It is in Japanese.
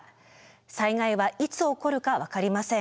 災害はいつ起こるか分かりません。